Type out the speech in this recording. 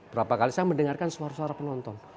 berapa kali saya mendengarkan suara suara penonton